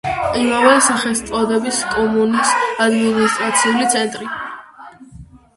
იმავე სახელწოდების კომუნის ადმინისტრაციული ცენტრი.